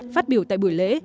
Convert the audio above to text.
phát biểu tại buổi lễ